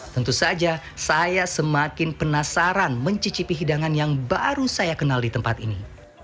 tentu saja saya semakin penasaran mencicipi hidangan yang baru saya kenal di tempat ini